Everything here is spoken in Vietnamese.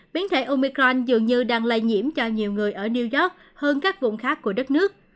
biến thể omicron dường như đang lây nhiễm cho nhiều người ở new york hơn các vùng khác của đất nước